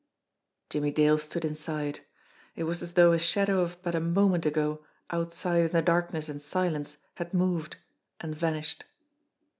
Jimmie Dale stood inside. It was as though a shadow of but a moment ago outside in the darkness and silence had moved and vanished.